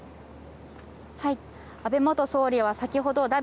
安倍元総理は先ほど、だ